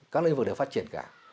các lĩnh vực đều phát triển cả